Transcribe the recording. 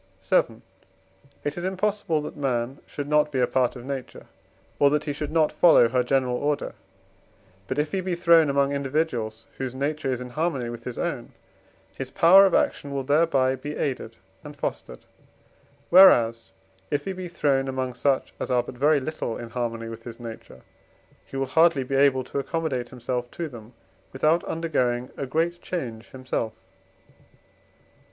VII. It is impossible, that man should not be a part of nature, or that he should not follow her general order; but if he be thrown among individuals whose nature is in harmony with his own, his power of action will thereby be aided and fostered, whereas, if he be thrown among such as are but very little in harmony with his nature, he will hardly be able to accommodate himself to them without undergoing a great change himself.